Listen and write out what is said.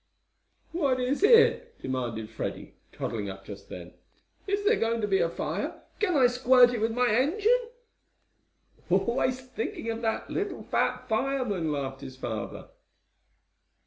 "What is it?" demanded Freddie, toddling up just then. "Is there going to be a fire? Can I squirt with my engine?" "Always thinking of that, little fat fireman!" laughed his father.